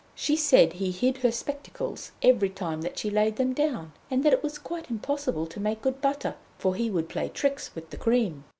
She said he hid her spectacles every time that she laid them down, and that it was quite impossible to make good butter, for he would play tricks with the cream.